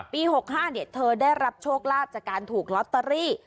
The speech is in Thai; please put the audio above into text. ๖๕เธอได้รับโชคลาภจากการถูกลอตเตอรี่